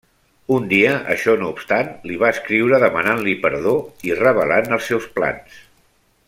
Un dia, això no obstant, li va escriure demanant-li perdó i revelant els seus plans.